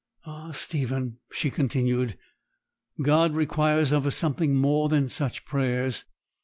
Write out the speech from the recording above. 'Ah, Stephen,' she continued, 'God requires of us something more than such prayers.